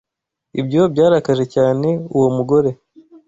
Ibyo byarakaje cyane uwo mugore.